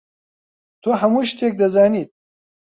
تۆ هەموو شتێک دەزانیت.